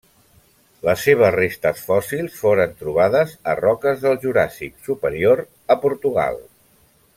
Les seves restes fòssils foren trobades a roques del Juràssic superior a Portugal.